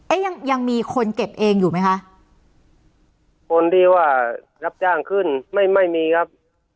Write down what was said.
ยังยังมีคนเก็บเองอยู่ไหมคะคนที่ว่ารับจ้างขึ้นไม่ไม่มีครับ